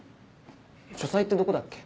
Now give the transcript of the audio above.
書斎ってどこだっけ？